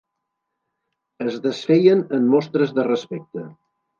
Es desfeien en mostres de respecte.